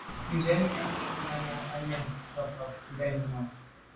Ndzwə́ zə̄ mɛ̂n shûn Náná ná’ fáŋ bwɔ́ŋkə̂Ɂ tɛ̌n vwá’.